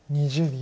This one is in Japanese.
２０秒。